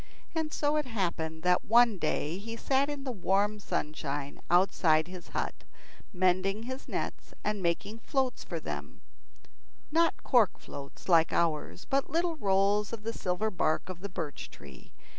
And so it happened that one day he sat in the warm sunshine outside his hut, mending his nets and making floats for them; not cork floats like ours, but little rolls of the silver bark of the birch tree.